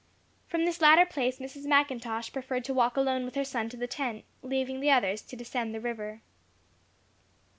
From this latter place Mrs. McIntosh preferred to walk alone with her son to the tent, leaving the others to descend the river.